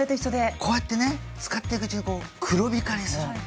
こうやってね使っていくうちにこう黒光りする。